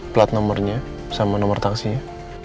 plat nomornya sama nomor tangsinya